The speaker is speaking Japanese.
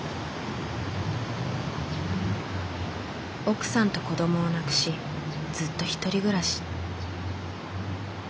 奥さんと子どもを亡くしずっと１人暮らし。